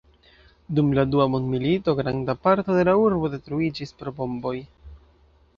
Dum la dua mondmilito granda parto de la urbo detruiĝis pro bomboj.